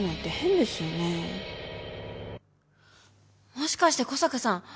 もしかして小坂さん。